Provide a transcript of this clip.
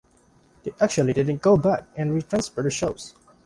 They actually didn't go back and retransfer the shows.